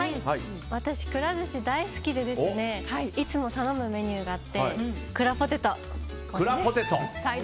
私、くら寿司大好きでいつも頼むメニューがあってくらポテト。